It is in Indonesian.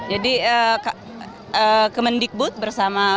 jadi ke mendikbud bersama